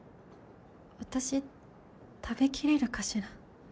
私食べきれるかしら。